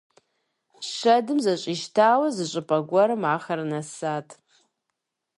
Шэдым зэщӀищтауэ зыщӀыпӀэ гуэрым ахэр нэсат.